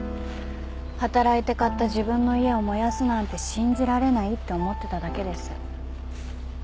働いて買った自分の家を燃やすなんて信じられないって思ってただけです。